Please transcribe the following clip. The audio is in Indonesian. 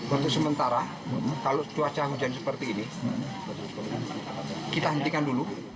untuk sementara kalau cuaca hujan seperti ini kita hentikan dulu